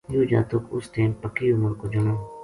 یوہ جاتک اس ٹیم پکی عمر کو جنو